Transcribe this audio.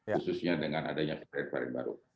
khususnya dengan adanya perintah yang baru